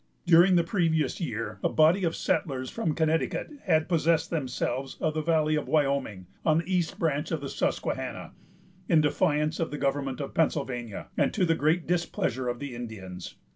During the previous year, a body of settlers from Connecticut had possessed themselves of the valley of Wyoming, on the east branch of the Susquehanna, in defiance of the government of Pennsylvania, and to the great displeasure of the Indians.